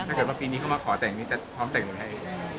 ถ้าเกิดว่าปีนี้เข้ามาขอแต่งนี้จะพร้อมแต่งกันให้